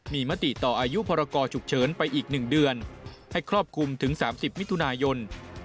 มีมติต่ออายุพรกรฉุกเฉินไปอีก๑เดือนให้ครอบคลุมถึง๓๐มิถุนายน